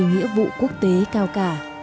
nghĩa vụ quốc tế cao cả